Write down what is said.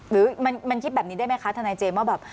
หรือมันคิดแบบนี้ได้ไหมคะทนายเจมส์ว่าแบบ